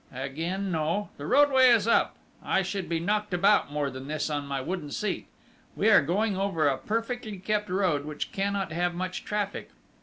Again no. The roadway is up: I should be knocked about more than this on my wooden seat. We are going over a perfectly kept road, which cannot have much traffic!...